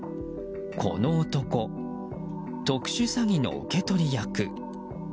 この男、特殊詐欺の受け取り役。